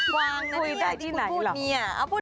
กวางนะนี่คุณพูดอะไรเหรอ